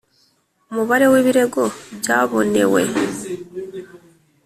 Umubare w ibirego byabonewe